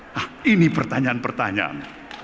nah ini pertanyaan pertanyaan